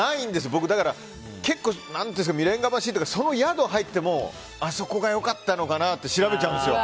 僕、結構未練がましいというかその宿に入ってもあそこが良かったのかなって調べちゃうんですよ。